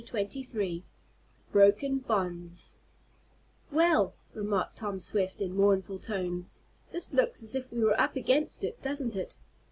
CHAPTER XXIII BROKEN BONDS "Well," remarked Tom Swift, in mournful tones, "this looks as if we were up against it; doesn't it?"